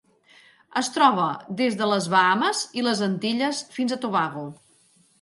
Es troba des de les Bahames i les Antilles fins a Tobago.